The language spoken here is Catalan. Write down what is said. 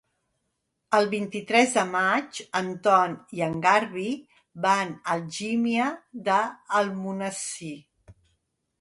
El vint-i-tres de maig en Ton i en Garbí van a Algímia d'Almonesir.